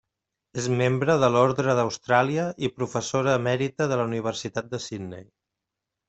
És membre de l’Orde d’Austràlia i professora emèrita de la Universitat de Sydney.